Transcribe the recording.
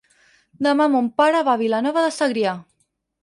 Demà mon pare va a Vilanova de Segrià.